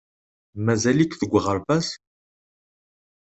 Mazal-ik deg uɣerbaz?